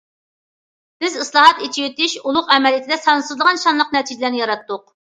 بىز ئىسلاھات، ئېچىۋېتىش ئۇلۇغ ئەمەلىيىتىدە سانسىزلىغان شانلىق نەتىجىلەرنى ياراتتۇق.